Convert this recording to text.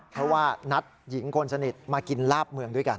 เพราะว่านัดหญิงคนสนิทมากินลาบเมืองด้วยกัน